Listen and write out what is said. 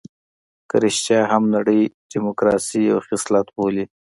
که رښتيا هم نړۍ ډيموکراسي یو خصلت بولي.